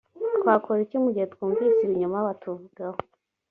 twakora iki mu gihe twumvise ibinyoma batuvugaho